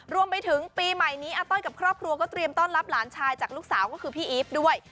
รวมไปถึงปีใหม่นี้อาต้อยกับครอบครัวก็เตรียมต้อนรับหลานชายจากลูกสาวก็คือพี่อีฟด้วย